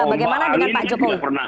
bagaimana dengan pak jokowi